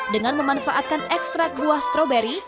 dengan memanfaatkan ekstra buah stroberi